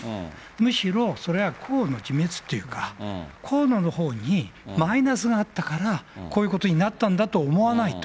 むしろそれは河野自滅っていうか、河野のほうにマイナスがあったから、こういうことになったんだと思わないと。